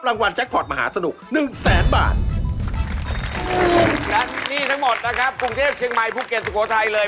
กรุงเทพฯเชียงใหม่ภูเกตสุโขทัยเลย